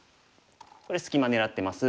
これ隙間狙ってます。